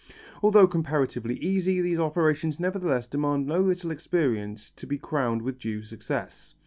Although comparatively easy, these operations nevertheless demand no little experience to be crowned with due success.